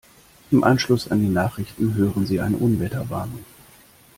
Im Anschluss an die Nachrichten hören Sie eine Unwetterwarnung.